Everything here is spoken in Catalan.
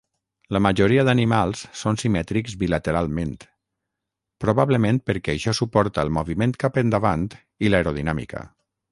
La majoria d'animals són simètrics bilateralment, probablement perquè això suporta el moviment cap endavant i l'aerodinàmica.